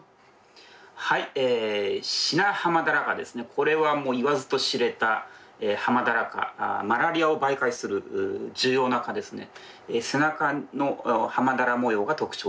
これはもう言わずと知れたハマダラカマラリアを媒介する重要な蚊ですね。